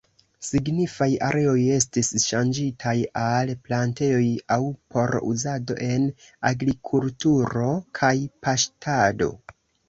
Signifaj areoj estis ŝanĝitaj al plantejoj, aŭ por uzado en agrikulturo kaj paŝtado.